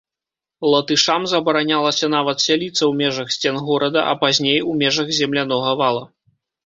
Латышам забаранялася нават сяліцца ў межах сцен горада, а пазней, у межах землянога вала.